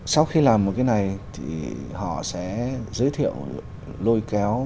sau khi làm một cái này thì họ sẽ giới thiệu lôi kéo